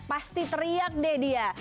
pasti teriak deh dia